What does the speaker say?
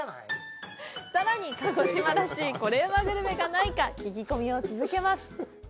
さらに、鹿児島らしいコレうまグルメがないか聞き込みを続けます！